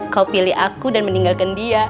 kau pilih aku dan meninggalkan dia